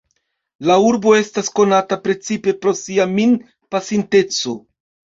La urbo estas konata precipe pro sia min-pasinteco.